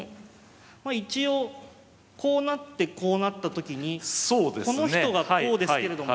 ま一応こうなってこうなったときにこの人がこうですけれども。